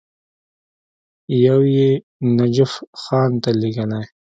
یو یې نجف خان ته لېږلی.